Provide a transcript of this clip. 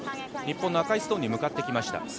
日本の赤いストーンに向かってきました。